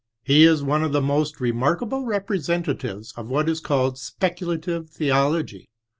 He is one of the most remarkable renresenta tives of what is called speculative theology.